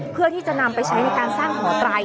เพื่อที่จะนำไปใช้ในการสร้างหอไตร